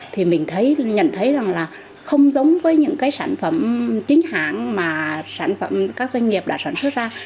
thì mình thấy nhận thấy rằng là không giống với những cái sản phẩm chính hãng mà sản phẩm các doanh nghiệp đã sản xuất ra